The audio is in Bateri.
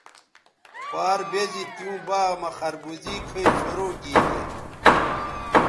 پار بیزی تیوں باغ مہ خربوزے کھئ شروع گیگے